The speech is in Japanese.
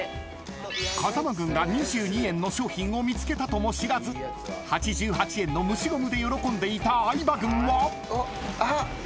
［風間軍が２２円の商品を見つけたとも知らず８８円の虫ゴムで喜んでいた相葉軍は？］あっ！